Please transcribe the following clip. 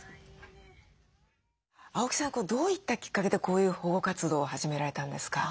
青木さんどういったきっかけでこういう保護活動を始められたんですか？